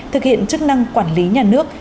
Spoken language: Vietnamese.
thực hiện chức năng quản lý nhà nước